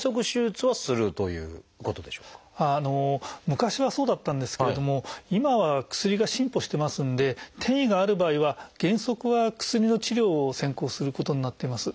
昔はそうだったんですけれども今は薬が進歩してますんで転移がある場合は原則は薬の治療を先行することになってます。